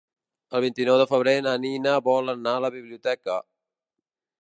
El vint-i-nou de febrer na Nina vol anar a la biblioteca.